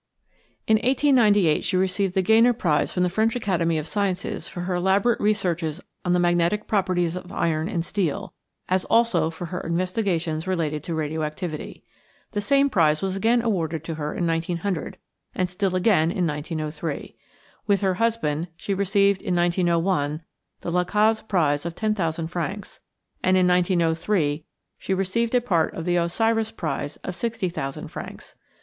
In 1898 she received the Gegner prize from the French Academy of Sciences for her elaborate researches on the magnetic properties of iron and steel, as also for her investigations relating to radio activity. The same prize was again awarded to her in 1900, and still again in 1903. With her husband she received in 1901 the La Caze prize of ten thousand francs; and in 1903 she received a part of the Osiris prize of sixty thousand francs.